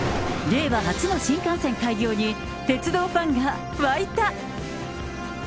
令和初の新幹線開業に、鉄道ファンが沸いた。